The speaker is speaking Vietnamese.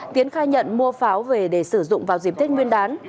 tiến khai nhận mua pháo về để sử dụng vào dìm thết nguyên đán